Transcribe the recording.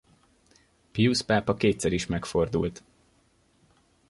Pius pápa kétszer is megfordult.